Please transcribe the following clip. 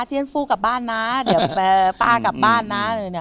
เจียนฟูกลับบ้านนะเดี๋ยวป้ากลับบ้านนะ